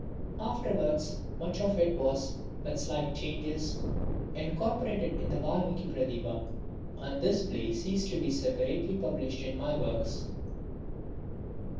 Afterwards, much of it was, with slight changes, incorporated in the Valmiki Pratibha, and this play ceased to be separately published in my works.